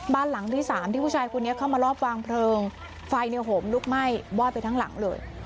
บ้านหลังที่สามที่ผู้ชายคนนี้เข้ามารอบวางเพลิงไฟเนี่ยโหมลุกไหม้วอดไปทั้งหลังเลย